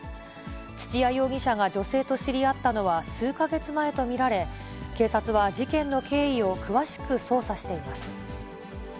土屋容疑者が女性と知り合ったのは数か月前と見られ、警察は、事件の経緯を詳しく捜査しています。